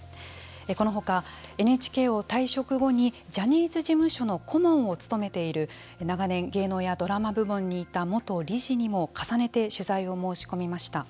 この他ＮＨＫを退職後にジャニーズ事務所の顧問を務めている長年芸能やドラマ部門にいた元理事にも重ねて取材を申し込みました。